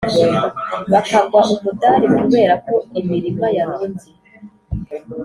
bakagwa umudari, kubera ko imirima yarumbye.